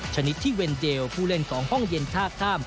ชนิดที่เวนเจลผู้เล่นของห้องเย็นท่าข้าม